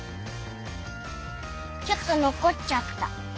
ちょっとのこっちゃった。